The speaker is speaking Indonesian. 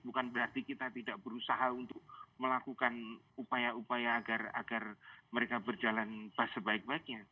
bukan berarti kita tidak berusaha untuk melakukan upaya upaya agar mereka berjalan sebaik baiknya